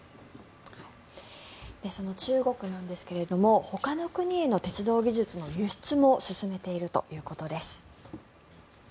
その中国なんですがほかの国への鉄道技術の輸出も進めているということです。